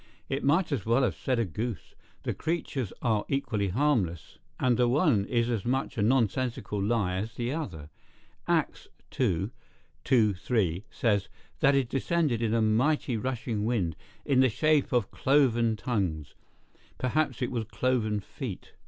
It might as well have said a goose; the creatures are equally harmless, and the one is as much a nonsensical lie as the other. Acts, ii. 2, 3, says, that it descended in a mighty rushing wind, in the shape of cloven tongues: perhaps it was cloven feet.